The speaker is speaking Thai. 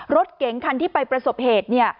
รถเก๋งคันที่ไปประสบเหตุ